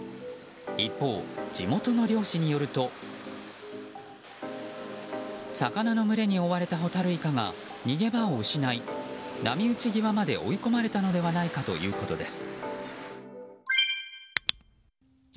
一方、地元の漁師によると魚の群れに追われたホタルイカが逃げ場を失い波打ち際まで追い込まれたのではないかということです。